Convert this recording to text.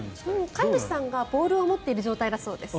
飼い主さんがボールを持ってる状態だそうです。